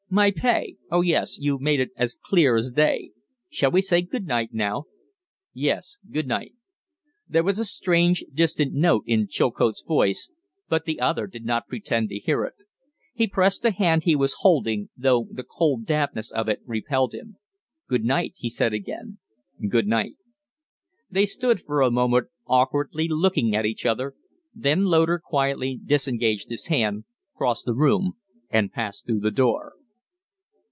"My pay? Oh yes, you've made it clear as day. Shall we say good night now?" "Yes. Good night." There was a strange, distant note in Chilcote's voice, but the other did not pretend to hear it. He pressed the hand he was holding, though the cold dampness of it repelled him. "Good night," he said again. "Good night." They stood for a moment, awkwardly looking at each other, then Loder quietly disengaged his hand, crossed the room, and passed through the door.